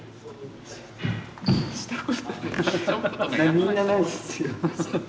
みんなないですよ。